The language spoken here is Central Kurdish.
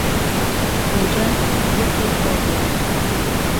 ئەمجا یەکێ هەڵەدەو